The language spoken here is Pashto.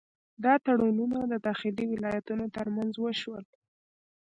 دا تړونونه د داخلي ولایتونو ترمنځ وشول.